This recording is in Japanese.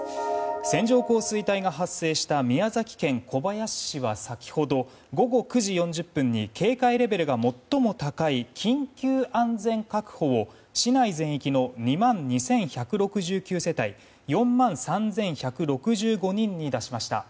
線状降水帯が発生した宮崎県小林市は先ほど午後９時４０分に警戒レベルが最も高い、緊急安全確保を市内全域の２万２１６９世帯４万３１６５人に出しました。